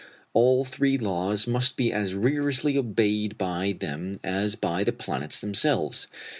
All three laws must be as rigorously obeyed by them as by the planets themselves.